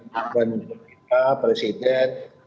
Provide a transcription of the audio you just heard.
kebutuhan untuk kita presiden